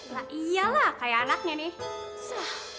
nah iyalah kayak anaknya nih